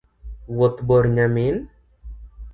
Wuoth bor nyamin